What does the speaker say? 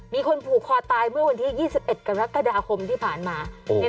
มีคนผูกคอตายเมื่อวันที่๒๑กรกฎาคมที่ผ่านมา